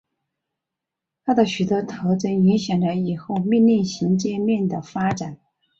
它的许多特征影响了以后命令行界面的发展。